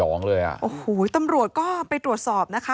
โอ้โหตำรวจก็ไปตรวจสอบนะคะ